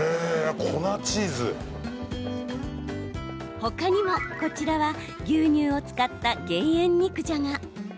他にも、こちらは牛乳を使った減塩肉じゃが。